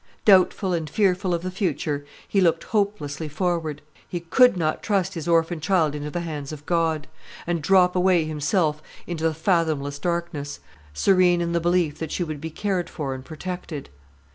Doubtful and fearful of the future, he looked hopelessly forward. He could not trust his orphan child into the hands of God; and drop away himself into the fathomless darkness, serene in the belief that she would be cared for and protected.